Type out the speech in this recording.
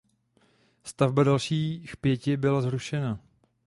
Stavba dalších pěti byla zrušena.